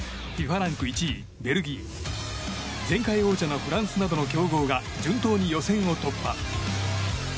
ＦＩＦＡランク１位、ベルギー前回王者のフランスなどの強豪が順当に予選を突破。